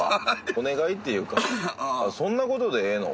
お願いっていうか「あっそんな事でええの？」